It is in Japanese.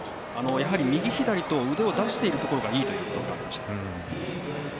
やはり右左と腕を出しているところがいいと言っていました。